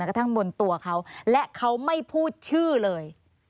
กระทั่งบนตัวเขาและเขาไม่พูดชื่อเลย